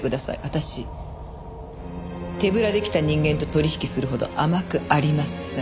私手ぶらで来た人間と取引するほど甘くありません。